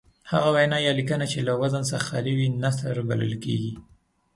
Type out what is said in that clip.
هغه وینا یا لیکنه چې له وزن څخه خالي وي نثر بلل کیږي.